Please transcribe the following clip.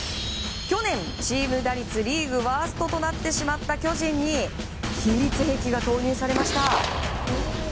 去年チーム打率リーグワーストとなってしまった巨人に秘密兵器が投入されました。